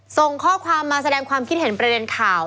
ส่งข้อความมาแสดงความคิดเห็นประเด็นข่าว